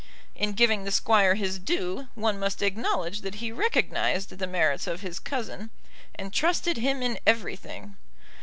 In giving the Squire his due, one must acknowledge that he recognised the merits of his cousin, and trusted him in everything.